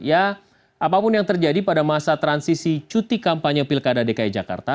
apapun yang terjadi pada masa transisi cuti kampanye pilkada dki jakarta